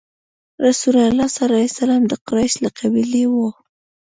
رسول الله ﷺ د قریش له قبیلې وو.